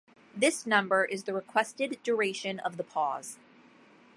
This number is the requested duration of the pause.